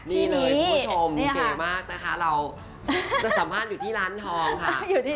นี้เลยผู้ชมเก่มากนะคะเราจะสัมพันธ์อยู่ที่ร้านทองส์ธนะ